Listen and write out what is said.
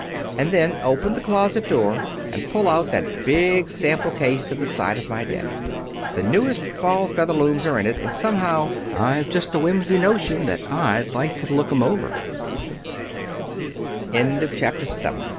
And then open the closet door and pull out that big sample case to the side of my bed. The newest Fall Featherlooms are in it, and somehow, I've just a whimsy notion that I'd like to look 'em o